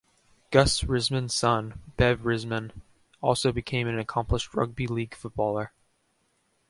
Gus Risman's son, Bev Risman also became an accomplished rugby league footballer.